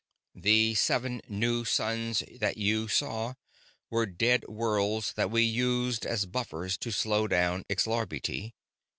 "The seven new suns that you saw were dead worlds that we used as buffers to slow down Xlarbti.